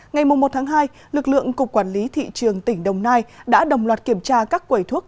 ngày một hai lực lượng cục quản lý thị trường tỉnh đồng nai đã đồng loạt kiểm tra các quầy thuốc